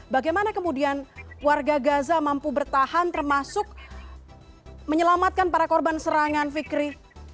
bagaimana kemudian warga gaza mampu bertahan termasuk menyelamatkan para korban serangan fikri